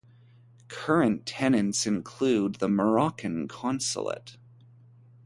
Current tenants include the Moroccan consulate.